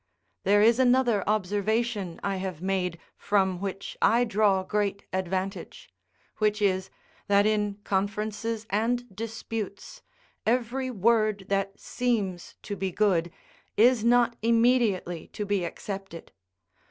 There is another observation I have made, from which I draw great advantage; which is, that in conferences and disputes, every word that seems to be good, is not immediately to be accepted.